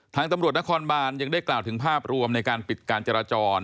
ทางตำรวจนครบานยังได้กล่าวถึงภาพรวมในการปิดการจราจร